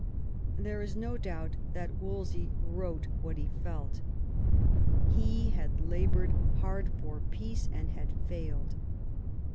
There is no doubt that Wolsey wrote what he felt. He had laboured hard for peace, and had failed.